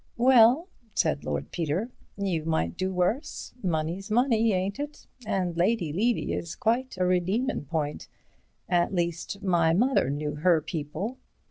"Well," said Lord Peter, "you might do worse. Money's money, ain't it? And Lady Levy is quite a redeemin' point. At least, my mother knew her people."